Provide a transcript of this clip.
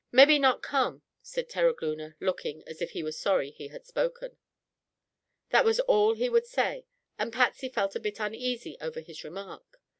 "Mebby not come," said Terogloona, looking as if he was sorry he had spoken. That was all he would say and Patsy felt a bit uneasy over his remark.